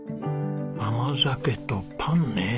甘酒とパンねえ。